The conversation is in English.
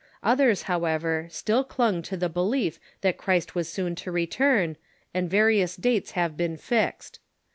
Others, however, still clung to the belief that Christ was soon to return, and various dates have been fixed.